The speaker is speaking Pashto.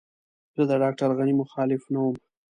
زه د ډاکټر غني مخالف نه وم.